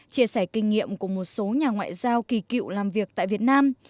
chia sẻ kinh nghiệm của một số nhà ngoại giao kỳ cựu làm việc tại việt nam